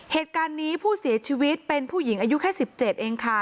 เหตุการณ์นี้ผู้เสียชีวิตเป็นผู้หญิงอายุแค่๑๗เองค่ะ